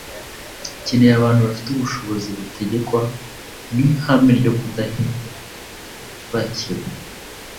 Ikeneye abantu bafite ubushobozi butegekwa n’ihame ryo kudakebakeba.